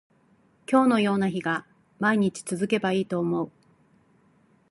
今日のような日が毎日続けばいいと思う